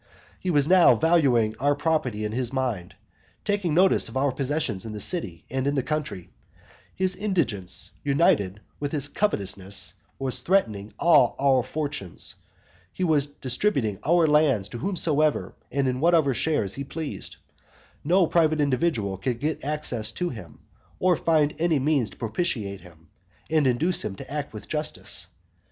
He was now valuing our property in his mind, taking notice of our possessions in the city and in the country; his indigence united with his covetousness was threatening all our fortunes; he was distributing our lands to whomsoever and in whatever shares he pleased; no private individual could get access to him, or find any means to propitiate him, and induce him to act with justice.